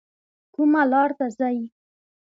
کومه لار ته ځئ؟